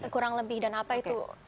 kurang lebih dan apa itu